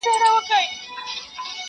سپېرې شونډی وږې ګېډه فکر وړی٫